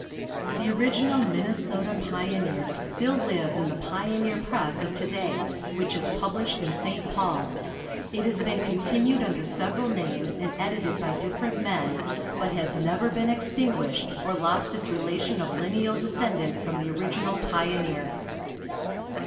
The original Minnesota Pioneer still lives in the Pioneer Press of to day, which is published in St. Paul. It has been continued under several names and edited by different men, but has never been extinguished or lost its relation of lineal descendant from the original Pioneer.